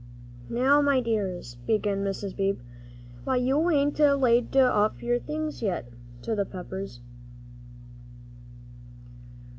"Now, my dears," began Mrs. Beebe. "Why, you haven't laid off your things yet!" to the Peppers.